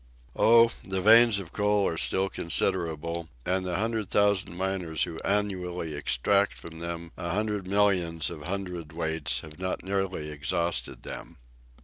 "Oh! the veins of coal are still considerable, and the hundred thousand miners who annually extract from them a hundred millions of hundredweights have not nearly exhausted them."